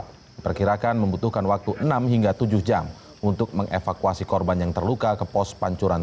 diperkirakan membutuhkan waktu enam hingga tujuh jam untuk mengevakuasi korban yang terluka ke pos pancuran